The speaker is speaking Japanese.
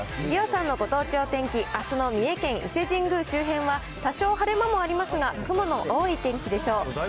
りおさんのご当地お天気、あすの三重県伊勢神宮周辺は、多少晴れ間もありますが、雲の多い天気でしょう。